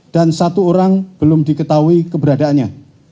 dan satu orang belum diketahui keberadaannya